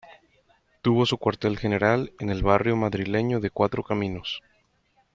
Tuvo su cuartel general en el barrio madrileño de Cuatro Caminos.